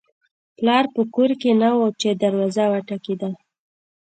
پلار په کور کې نه و چې دروازه وټکېده